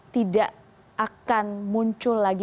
tidak akan muncul lagi